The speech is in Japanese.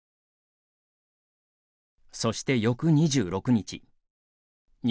そして翌２６日。